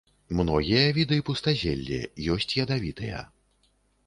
Многія віды пустазелле, ёсць ядавітыя.